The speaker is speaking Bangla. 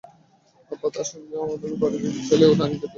আব্বা তাঁর সঙ্গে আমাকে বাড়ি নিতে চাইলেও নানি যেতে দিলেন না।